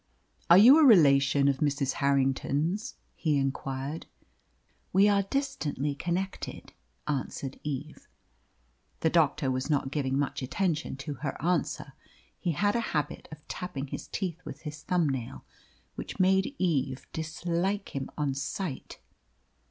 "Are you a relation of Mrs. Harrington's?" he inquired. "We are distantly connected," answered Eve. The doctor was not giving much attention to her answer. He had a habit of tapping his teeth with his thumbnail, which made Eve dislike him at sight.